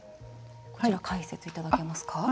こちら、解説いただけますか。